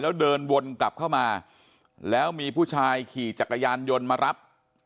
แล้วเดินวนกลับเข้ามาแล้วมีผู้ชายขี่จักรยานยนต์มารับ